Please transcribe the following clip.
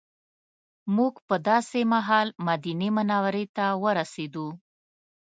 موږ په داسې مهال مدینې منورې ته ورسېدو.